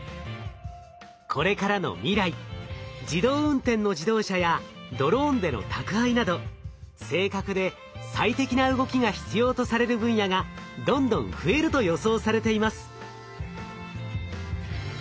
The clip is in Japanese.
これからの未来自動運転の自動車やドローンでの宅配など正確で最適な動きが必要とされる分野がどんどん増えると予想されています。